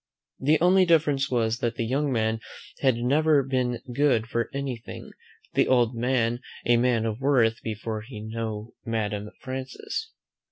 The only difference was, that the young man had never been good for anything; the old man a man of worth before he know Madame Frances.